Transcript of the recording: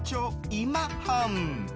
今半。